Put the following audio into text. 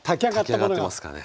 炊き上がってますかね。